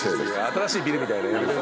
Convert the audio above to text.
新しいビルみたい。